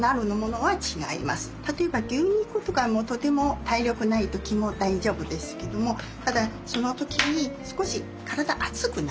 例えば牛肉とかもとても体力ない時も大丈夫ですけどもただその時に少し体熱くなリますね。